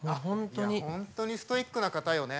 本当にストイックな方よね。